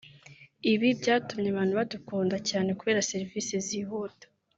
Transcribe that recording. Ibi byatumye abantu badukunda cyane kubera serivisi zihuta